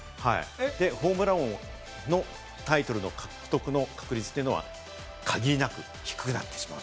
ホームラン王のタイトル獲得の確率というのは限りなく低くなってしまう。